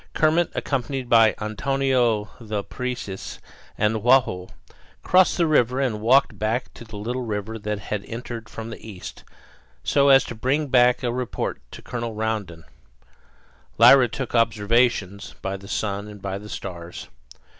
Kermit, accompanied by Antonio the Parecis and Joao, crossed the river and walked back to the little river that had entered from the east, so as to bring back a report of it to Colonel Rondon. Lyra took observations, by the sun and by the stars.